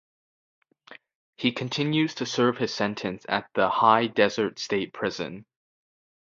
He continues to serve his sentence at the High Desert State Prison.